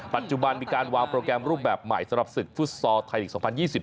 ปัจจุบันมีการวางโปรแกรมรูปแบบใหม่สำหรับศึกฟุตซอลไทยลีก๒๐๒๐